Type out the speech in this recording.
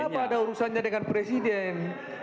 apa ada urusannya dengan presiden